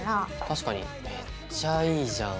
確かにめっちゃいいじゃん。